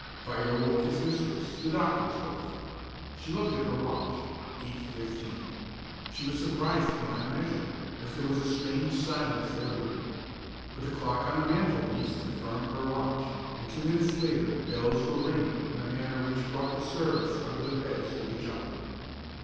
Fido woke his mistress, the doctor's wife. She looked at her watch 8:15. She was surprised beyond measure, as there was a strange silence everywhere. But the clock on the mantelpiece confirmed her watch, and two minutes later bells were ringing in a manner which brought the servants out of their beds with a jump.